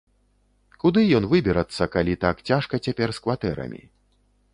Куды ён выберацца, калі так цяжка цяпер з кватэрамі.